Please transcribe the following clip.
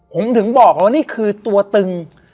ผมถึงบอกแล้วว่านี่คือตัวตึง